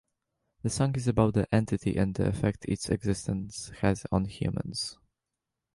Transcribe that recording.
The song is about the entity and the effect its existence has on humans.